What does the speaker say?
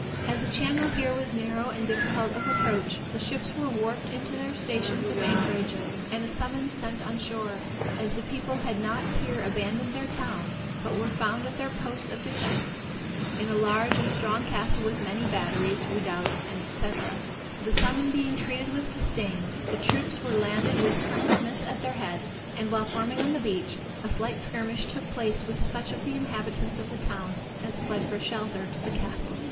As the channel here was narrow and difficult of approach, the ships were warped into their stations of anchorage, and a summons sent on shore, as the people had not here abandoned their town, but were found at their posts of defence, in a large and strong castle with many batteries, redoubts, &c. The summons being treated with disdain, the troops were landed with Col. Smith at their head; and while forming on the beach a slight skirmish took place with such of the inhabitants of the town, as fled for shelter to the castle.